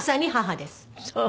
そう。